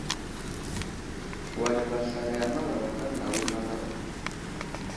Wal yo aslaray a malawak anawo i malawo.